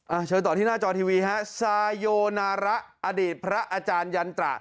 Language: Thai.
เชิญต่อที่หน้าจอทีวีฮะซาโยนาระอดีตพระอาจารยันตระ